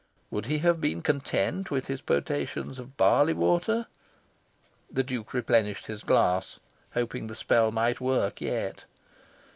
Would he have been content with his potations of barley water?... The Duke replenished his glass, hoping the spell might work yet....